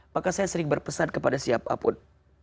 maka saya sering berpesan kepada siapapun